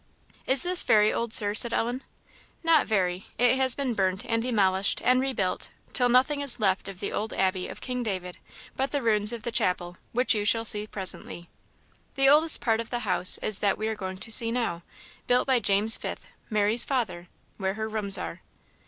"Is this very old, Sir?" asked Ellen. "Not very; it has been burnt, and demolished, and rebuilt, till nothing is left of the old Abbey of King David but the ruins of the chapel, which you shall see presently. The oldest part of the House is that we are going to see now, built by James Fifth, Mary's father, where her rooms are."